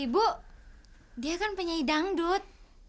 ibu dia kan penyanyi dangdut